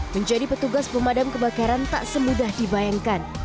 menjadi petugas pemadam kebakaran tak semudah dibayangkan